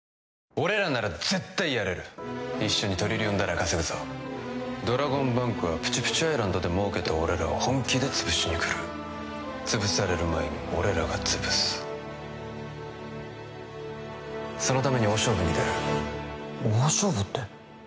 俺らなら絶対やれる一緒にトリリオンダラー稼ぐぞドラゴンバンクはプチプチアイランドで儲けた俺らを本気で潰しにくる潰される前に俺らが潰すそのために大勝負に出る大勝負って？